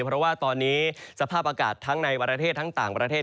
เพราะว่าตอนนี้สภาพอากาศทั้งในประเทศทั้งต่างประเทศ